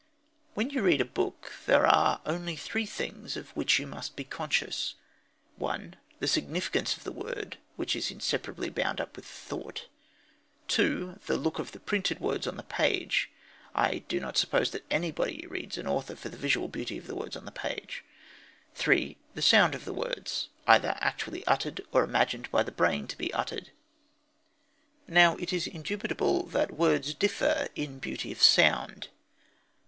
When you read a book there are only three things of which you may be conscious: (1) The significance of the words, which is inseparably bound up with the thought. (2) The look of the printed words on the page I do not suppose that anybody reads any author for the visual beauty of the words on the page. (3) The sound of the words, either actually uttered or imagined by the brain to be uttered. Now it is indubitable that words differ in beauty of sound.